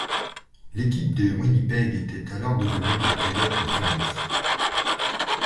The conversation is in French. L'équipe de Winnipeg était alors devenue les Coyotes de Phoenix.